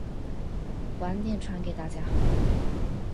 晚点传给大家